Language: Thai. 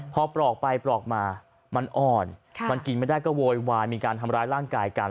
พอปลอกไปปลอกมามันอ่อนมันกินไม่ได้ก็โวยวายมีการทำร้ายร่างกายกัน